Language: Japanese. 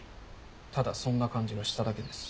ただそんな感じがしただけです。